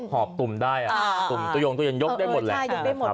หอบตุ่มได้ตุ่มตุ่มตัวยนต์ยกได้หมดแหละ